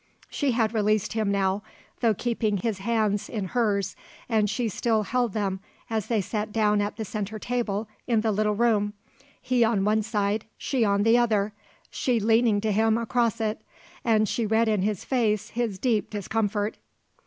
She had released him now, though keeping his hands in hers, and she still held them as they sat down at the centre table in the little room, he on one side, she on the other, she leaning to him across it; and she read in his face his deep discomfort.